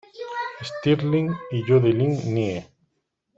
Stirling, y Jody Lynn Nye.